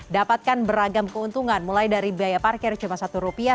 dapatkan beragam keuntungan mulai dari biaya parkir cuma rp satu